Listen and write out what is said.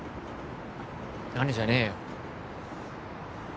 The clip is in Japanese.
じゃねえよ